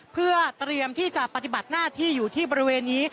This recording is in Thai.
เพื่อเตรียมที่จะปฏิบัติหน้าที่อยู่ที่บริเวณนี้